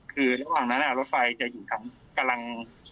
คือระหว่างนั้นรถไฟจะอยู่ทางกำลัง